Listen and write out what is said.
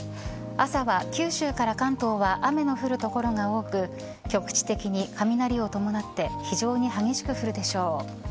朝は九州から関東は雨の降る所が多く局地的に雷を伴って非常に激しく降るでしょう。